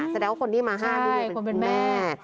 แสดงว่าคนที่มา๕นี่เป็นแม่